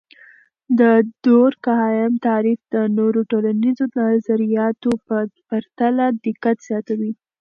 د دورکهايم تعریف د نورو ټولنیزو نظریاتو په پرتله دقت زیاتوي.